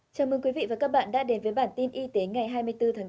chào mừng quý vị và các bạn đã đến với bản tin y tế ngày hai mươi bốn tháng bốn